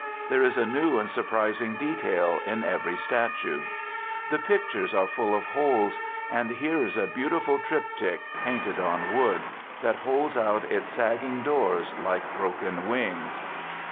There is a new and surprising detail in every statue. ... The pictures are full of holes; and here is a beautiful tryptych, painted on wood, that holds out its sagging doors like broken wings.